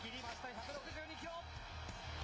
１６２キロ。